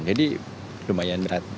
jadi lumayan berat